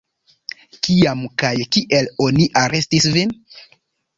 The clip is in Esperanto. Kiam kaj kiel oni arestis vin?